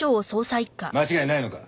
間違いないのか？